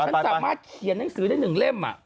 ฉันสามารถเขียนหนังสือได้๑เล่ม